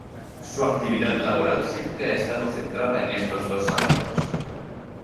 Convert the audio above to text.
Su actividad laboral siempre ha estado centrada en estos dos ámbitos.